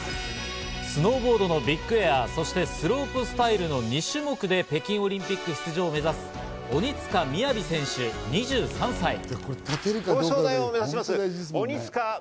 スノーボードのビッグエア、そしてスロープスタイルの２種目で北京オリンピック出場を目指す鬼塚雅選手、２３歳。